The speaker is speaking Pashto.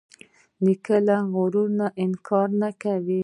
نیکه له غرور نه انکار کوي.